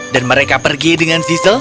dan mereka pergi dengan zizel